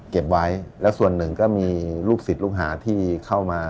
เก็บไว้แล้วส่วนหนึ่งก็มีลูกศิษย์ลูกหาที่เข้ามา